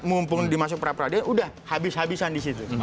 mumpung dimasuk peradilan udah habis habisan di situ